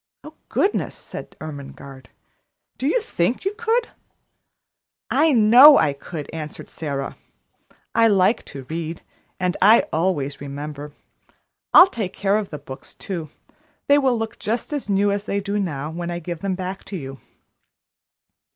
"Oh, goodness!" said Ermengarde. "Do you think you could?" "I know I could," answered Sara. "I like to read, and I always remember. I'll take care of the books, too; they will look just as new as they do now, when I give them back to you."